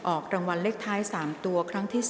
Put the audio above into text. ออกรางวัลเลขท้าย๓ตัวครั้งที่๒